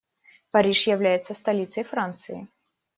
Париж является столицей Франции.